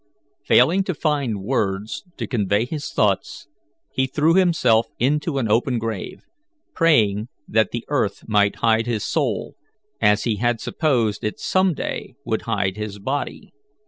Failing to find words to convey his thoughts, he threw himself into an open grave, praying that the earth might hide his soul, as he had supposed it some day would hide his body.